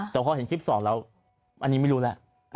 แต่พอเห็นคลิปสองแล้วอันนี้ไม่รู้แล้ว